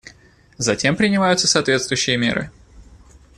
Затем принимаются соответствующие меры.